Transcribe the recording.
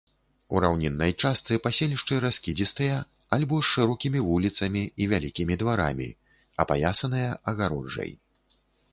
У раўніннай частцы паселішчы раскідзістыя альбо з шырокімі вуліцамі і вялікімі дварамі, апаясаныя агароджай.